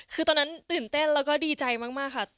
คือตอนนั้นตื่นเต้นแล้วก็ดีใจมากค่ะ